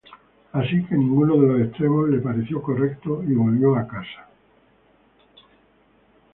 Así que ninguno de los extremos le pareció correcto y volvió a casa.